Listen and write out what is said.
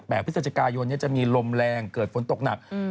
พฤศจิกายนจะมีลมแรงเกิดฝนตกหนัก